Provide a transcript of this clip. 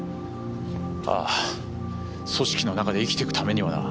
ああ組織の中で生きていくためにはな。